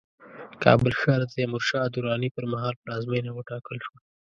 کابل ښار د تیمورشاه دراني پرمهال پلازمينه وټاکل شوه